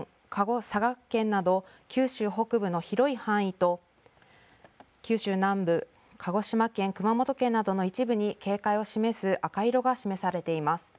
佐賀県など九州北部の広い範囲と九州南部、鹿児島県熊本県などの一部に警戒を示す赤色が示されています。